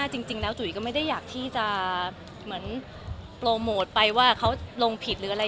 จริงแล้วจุ๋ยก็ไม่ได้อยากที่จะโปรโมทไปว่าเขาลงผิด